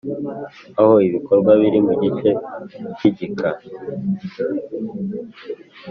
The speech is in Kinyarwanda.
Aho ibikorwa biri mu gice cy igika